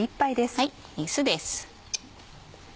酢です。